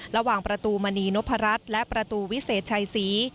ระหว่างประตูมณีนพรัชและประตูวิเศษชัยศรี